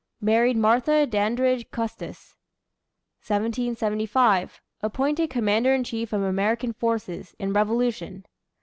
Married Martha Dandridge Custis. 1775. Appointed commander in chief of American forces, in Revolution.